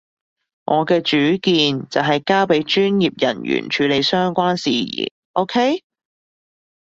我嘅主見就係交畀專業人員處理相關事宜，OK？